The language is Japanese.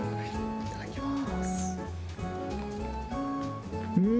いただきます。